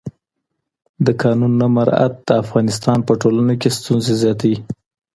د قانون نه مراعت د افغانستان په ټولنه کې ستونزې زیاتوي